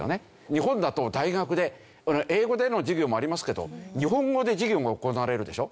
日本だと大学で英語での授業もありますけど日本語で授業が行われるでしょ。